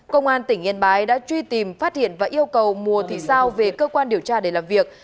công an tỉnh yên bái đã truy tìm phát hiện và yêu cầu mùa thị sao về cơ quan điều tra để làm việc